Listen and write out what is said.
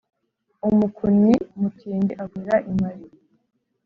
umukunnyi mutindi akunira impare.